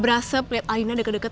kamu tuh yang kepenting